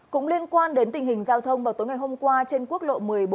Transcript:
cũng liên quan đến tình hình giao thông vào tối ngày hôm qua trên quốc lộ một mươi bốn